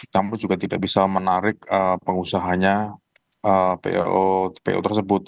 namun juga tidak bisa menarik pengusahanya po tersebut